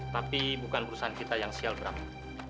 tapi bukan perusahaan kita yang sial berapa